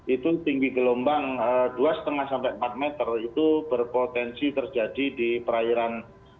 itu tinggi gelombang dua lima sampai empat meter itu berpotensi terjadi di perairan